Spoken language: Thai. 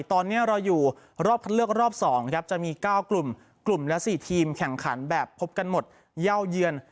ตอนนี้เราอยู่รอบคัดเลือกรอบ๒ครับจะมี๙กลุ่มกลุ่มและ๔ทีมแข่งขันแบบพบกันหมดเย่าเยือน